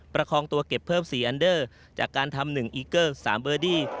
ประคองตัวเก็บเพิ่ม๔อันเดอร์จากการทำ๑อีเกอร์๓เบอร์ดี้